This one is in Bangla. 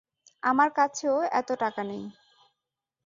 আমার কাছেও এত টাকা নেই।